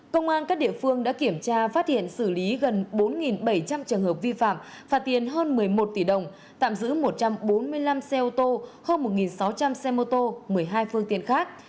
công an các địa phương đã kiểm tra phát hiện xử lý gần bốn bảy trăm linh trường hợp vi phạm phạt tiền hơn một mươi một tỷ đồng tạm giữ một trăm bốn mươi năm xe ô tô hơn một sáu trăm linh xe mô tô một mươi hai phương tiện khác